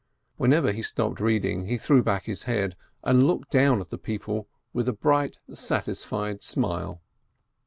Whenever he stopped reading, he threw back his head, and looked down at the people with a bright, satisfied smile.